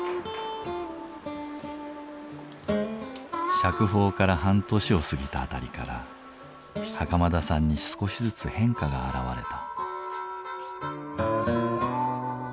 釈放から半年を過ぎたあたりから袴田さんに少しずつ変化が現れた。